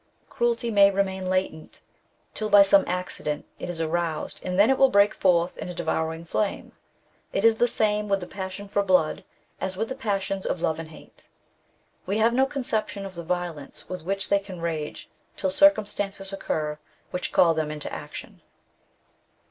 Cruelty may remain latent till, by some accident, it is aroused, and then it will break forth in a devouring flame. It is the same with the passion for blood as with the passions of love and hate ; we have no conception of the violence with which they can rage till circumstances occur which call them into action.